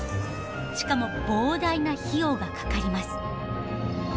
しかも膨大な費用がかかります。